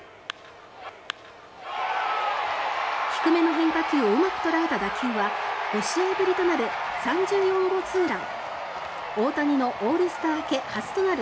低めの変化球をうまく捉えた打球は５試合ぶりとなる３４号ツーラン。